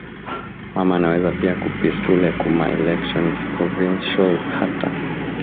mama anaweza piya ku pistule ku ma election provincial ata